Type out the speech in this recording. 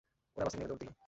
ওরা বাস থেকে নেমে দৌড় দিল।